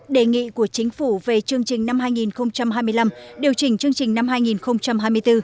đề nghị của chính phủ về chương trình năm hai nghìn hai mươi năm điều chỉnh chương trình năm hai nghìn hai mươi bốn